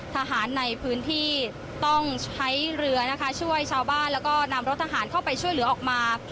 ทหารในพื้นที่ต้องใช้เรือนะคะช่วยชาวบ้านแล้วก็นำรถทหารเข้าไปช่วยเหลือออกมา